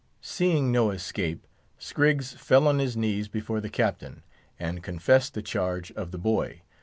Seeing no escape, Scriggs fell on his knees before the Captain, and confessed the charge of the boy.